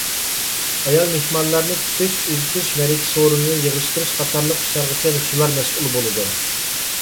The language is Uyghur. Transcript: ئايال مېھمانلارنى كۈتۈش، ئۇزىتىش، مەرىكە سورۇنىنى يىغىشتۇرۇش قاتارلىق ئىشلارغىچە شۇلار مەسئۇل بولىدۇ.